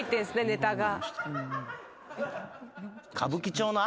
ネタが。